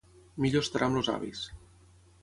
Millor estarà amb els avis.